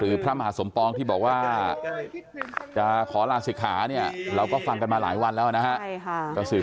เกิดมาแล้วค่ะที่บอกว่าจะขอลาศิกร์อยู่นี่เราฟังมาหลายวัดแล้วนะครับ